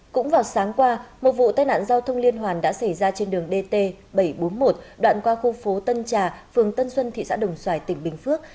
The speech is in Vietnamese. cũng vào sáng qua một vụ tai nạn giao thông liên hoàn đã xảy ra trên đường dt bảy trăm bốn mươi một đoạn qua khu phố tân trà phường tân xuân thị xã đồng xoài tỉnh bình phước